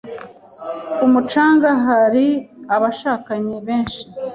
Ku mucanga hari abashakanye benshi.